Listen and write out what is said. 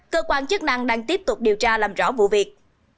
cơ quan chức năng đang tiếp tục điều tra làm rõ vụ việc